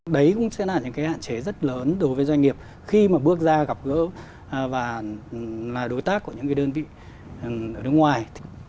đấy cũng sẽ là những cái hạn chế rất lớn đối với doanh nghiệp khi mà bước ra gặp gỡ và là đối tác của những cái đơn vị ở nước ngoài